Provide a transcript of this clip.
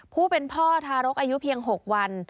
ผู้เป็นพ่อทารกอายุเพียง๖วัน